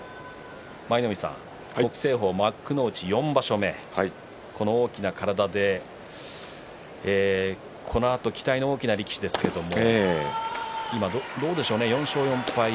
舞の海さん、北青鵬も幕内４場所目、大きな体でこのあと期待の大きな力士ですけれども今、どうでしょうね、４勝４敗。